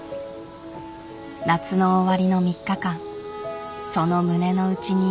夏の終わりの３日間その胸のうちに耳を傾けた。